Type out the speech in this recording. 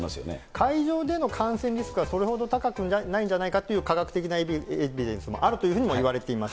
会場での感染リスクは、それほど高くないんじゃないかという科学的なエビデンスもあるというふうにいわれています。